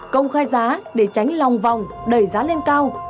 công khai giá để tránh lòng vòng đẩy giá lên cao